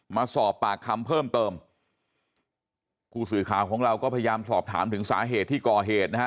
มาสอบปากคำเพิ่มเติมผู้สื่อข่าวของเราก็พยายามสอบถามถึงสาเหตุที่ก่อเหตุนะฮะ